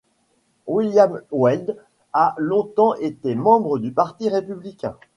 William Weld a longtemps été membre du Parti républicain.